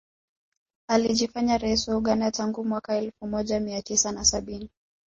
Alijifanya rais wa Uganda tangu mwaka elfu moja mia tisa na sabini